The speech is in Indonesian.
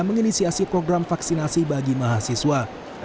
menginisiasi program vaksinasi bagi mahasiswa